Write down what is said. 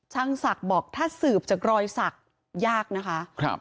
ช่างศักดิ์บอกถ้าสืบจากรอยสักยากนะคะ